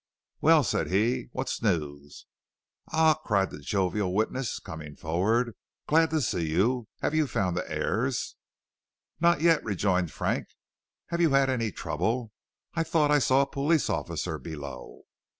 "Well," said he, "what news?" "Ah," cried the jovial witness, coming forward, "glad to see you. Have you found the heirs?" "Not yet," rejoined Frank. "Have you had any trouble? I thought I saw a police officer below."